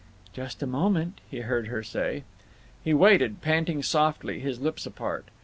"Just a moment," he heard her say. He waited, panting softly, his lips apart.